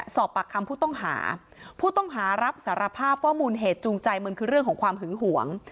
สอบปากคำผู้ต้องหาผู้ต้องหารับสารภาพว่ามูลเหตุจูงใจมันคือเรื่องของความหึงหวง